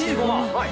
はい！